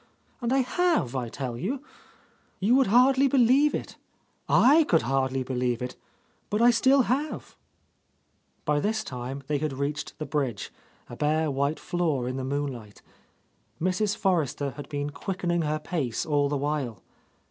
And I have, I tell you ! You would hardly believe it, I could hardly believe it, but I still have 1" By this time they had reached the bridge, a bare white floor in the moonlight. Mrs. Forrester had been quickening her pace all the while.